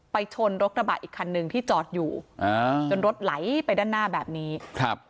ชนรถกระบะอีกคันหนึ่งที่จอดอยู่อ่าจนรถไหลไปด้านหน้าแบบนี้ครับ